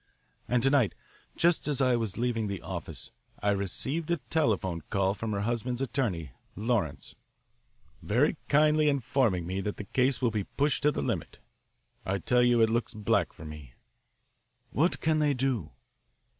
And to night, just as I was leaving the office, I received a telephone call from her husband's attorney, Lawrence, very kindly informing me that the case would be pushed to the limit. I tell you, it looks black for me." "What can they do?" "Do?